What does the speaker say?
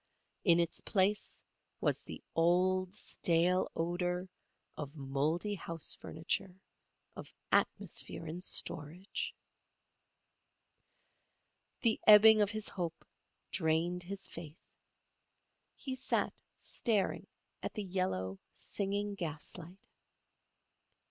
In its place was the old, stale odour of mouldy house furniture, of atmosphere in storage. The ebbing of his hope drained his faith. He sat staring at the yellow, singing gaslight.